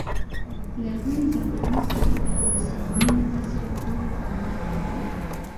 لرغونې زمانې څخه تر اوسني عصر پورې څرګند دی.